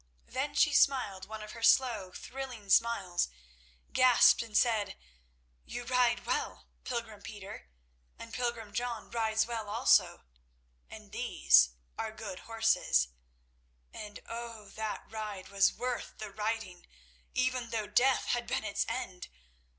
Then she smiled one of her slow, thrilling smiles, gasped and said: "You ride well, pilgrim Peter, and pilgrim John rides well also, and these are good horses; and, oh! that ride was worth the riding, even though death had been its end.